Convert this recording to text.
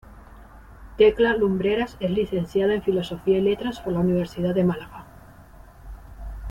Tecla Lumbreras es licenciada en Filosofía y Letras por la Universidad de Málaga.